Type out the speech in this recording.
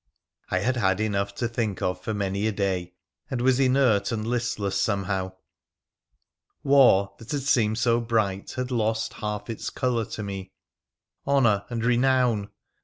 I had had enough to think of for many a day, and was inert and listless somehow. War, that had seemed so bright, had lost half its colour to me. Honour ! and renown